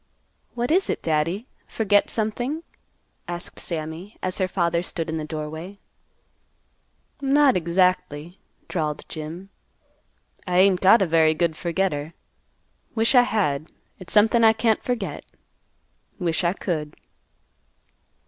"What is it, Daddy? Forget something?" asked Sammy, as her father stood in the doorway. "Not exactly," drawled Jim. "I ain't got a very good forgetter. Wish I had. It's somethin' I can't forget. Wish I could."